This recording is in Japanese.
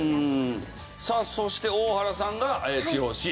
さあそして大原さんが地方ＣＭ。